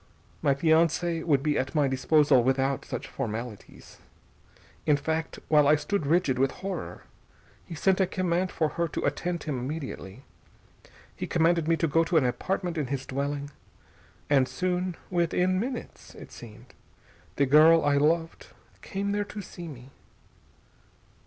My fiancée would be at my disposal without such formalities. In fact while I stood rigid with horror he sent a command for her to attend him immediately. He commanded me to go to an apartment in his dwelling. And soon within minutes, it seemed the girl I loved came there to me...."